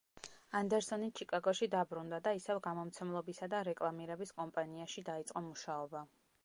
ანდერსონი ჩიკაგოში დაბრუნდა და ისევ გამომცემლობისა და რეკლამირების კომპანიაში დაიწყო მუშაობა.